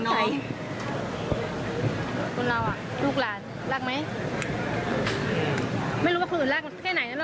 ทุกอย่างลูกหลานลากไหม